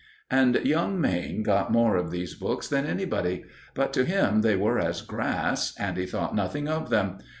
And young Mayne got more of these books than anybody; but to him they were as grass, and he thought nothing of them.